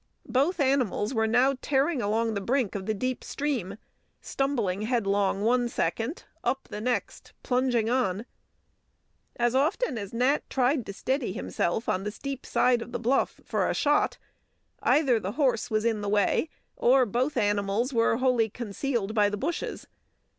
Both animals were now tearing along the brink of the deep stream, stumbling headlong one second, up the next, plunging on. As often as Nat tried to steady himself on the steep side of the bluff for a shot, either the horse was in the way or both animals were wholly concealed by the bushes.